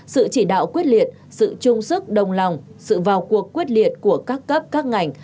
sự chỉ đạo quyết liệt sự chung sức đồng lòng sự vào cuộc quyết liệt của các cấp các ngành